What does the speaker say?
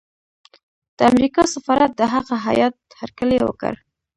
د امریکا سفارت د هغه هیات هرکلی وکړ.